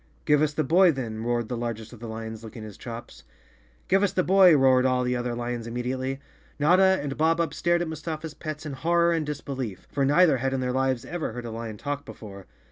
"Give us the boy, then," roared the largest of the lions, licking his chops. " Give us the boy," roared all the other lions immedi¬ ately. Notta and Bob Up stared at Mustafa's pets in horror and disbelief, for neither had in their lives ever heard a lion talk before.